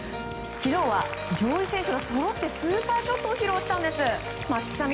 昨日は上位選手がそろってスーパーショットを披露したんです。